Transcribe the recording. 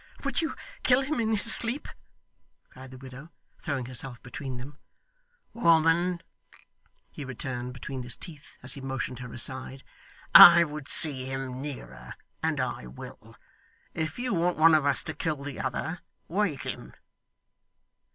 'Would you kill him in his sleep?' cried the widow, throwing herself between them. 'Woman,' he returned between his teeth, as he motioned her aside, 'I would see him nearer, and I will. If you want one of us to kill the other, wake him.